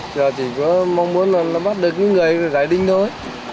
giờ chỉ có mong muốn là nó bắt được những người giải đinh thôi